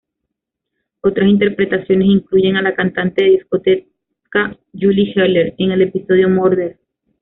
Otras interpretaciones incluyen a la cantante de discoteca Julie Heller en el episodio "Murder!